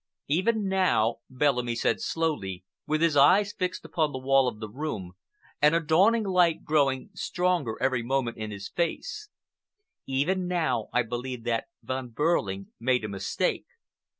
"Even now," Bellamy said slowly, with his eyes fixed upon the wall of the room, and a dawning light growing stronger every moment in his face, "even now I believe that Von Behrling made a mistake.